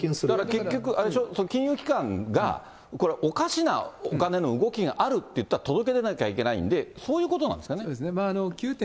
結局、金融機関がこれおかしなお金の動きがあるっていうと、届け出なきゃいけないんで、そういうことなんですかね。